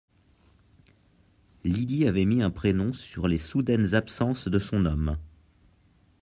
Lydie avait mis un prénom sur les soudaines absences de son homme.